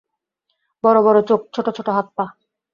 বড় বড় চোখ, ছোট ছোট হাত-পা।